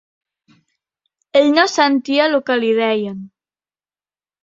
Ell no sentia lo que li deien